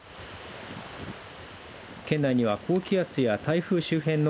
県内には、高気圧や台風周辺の